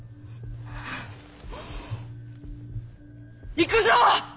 行くぞ！